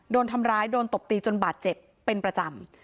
โดนทำร้ายโดนตบตีจนบาดเจ็บเป็นประจำ